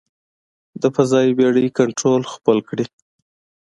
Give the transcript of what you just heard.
د فضايي بېړۍ کنټرول خپل کړي.